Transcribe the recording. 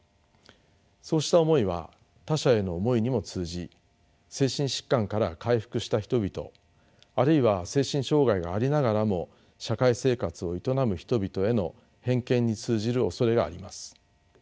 そうした思いは他者への思いにも通じ精神疾患から回復した人々あるいは精神障害がありながらも社会生活を営む人々への偏見に通じるおそれがあります。